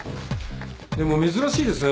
でも珍しいですね。